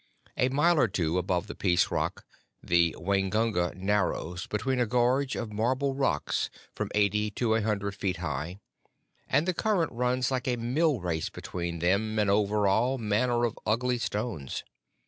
A mile or two above the Peace Rock the Waingunga narrows between a gorge of marble rocks from eighty to a hundred feet high, and the current runs like a mill race between and over all manner of ugly stones.